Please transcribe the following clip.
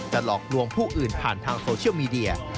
แต่หลอกลวงผู้อื่นผ่านทางโซเชียลมีเดีย